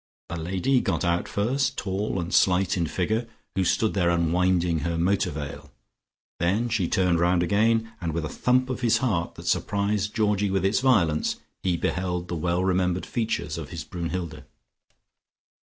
A lady got out first, tall and slight in figure, who stood there unwinding her motor veil, then she turned round again, and with a thump of his heart that surprised Georgie with its violence, he beheld the well remembered features of his Brunnhilde.